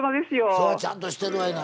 そりゃちゃんとしてるわいな。